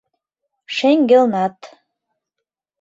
Шеҥгелнат.